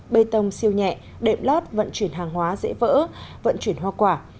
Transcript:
bê tông siêu nhẹ đệm lót vận chuyển hàng hóa dễ vỡ vận chuyển hoa quả